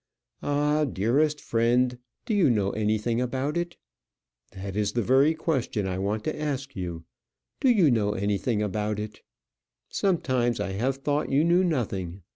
"Ah, dearest friend, do you know anything about it? that is the very question I want to ask you. Do you know anything about it? Sometimes I have thought you knew nothing.